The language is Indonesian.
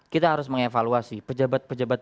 kita harus mengevaluasi pejabat pejabat